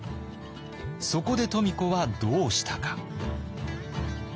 そこで富子はどうしたか。